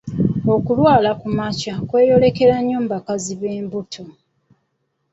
Okulwala kumakya kweyolekera nnyo mu bakazi b'embuto.